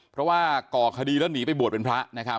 เพราะว่าก่อคดีแล้วหนีไปบวชเป็นพระนะครับ